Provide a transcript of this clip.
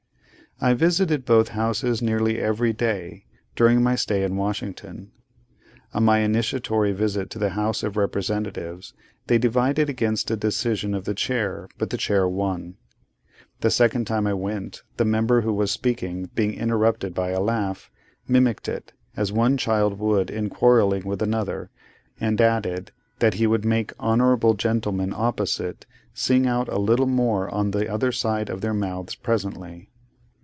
I visited both houses nearly every day, during my stay in Washington. On my initiatory visit to the House of Representatives, they divided against a decision of the chair; but the chair won. The second time I went, the member who was speaking, being interrupted by a laugh, mimicked it, as one child would in quarrelling with another, and added, 'that he would make honourable gentlemen opposite, sing out a little more on the other side of their mouths presently.